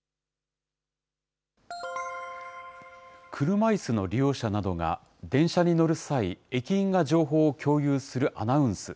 車いすの利用者などが、電車に乗る際、駅員が情報を共有するアナウンス。